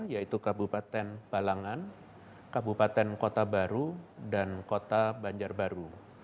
yaitu kabupaten balangan kabupaten kota baru dan kota banjarbaru